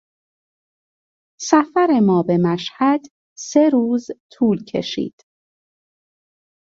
سفر ما به مشهد سه روز طول کشید.